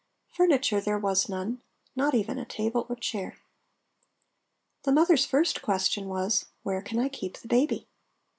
Furniture, there was none—not even a table or chair. The mother's first question was "where can I keep the baby?"